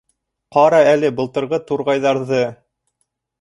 Ҡара әле былтырғы турғайҙарҙы.